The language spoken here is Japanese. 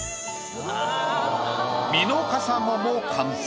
ミノカサゴも完成。